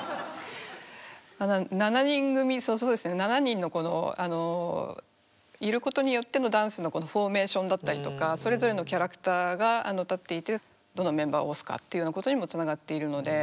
７人いることによってのダンスのフォーメーションだったりとかそれぞれのキャラクターが立っていてどのメンバーを推すかっていうようなことにもつながっているので。